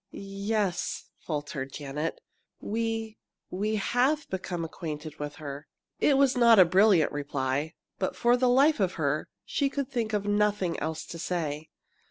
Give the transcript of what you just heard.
"Yes," faltered Janet, "we we have become acquainted with her." It was not a brilliant reply, but, for the life of her, she could think of nothing else to say.